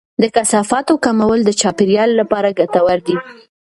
د کثافاتو کمول د چاپیریال لپاره ګټور دی.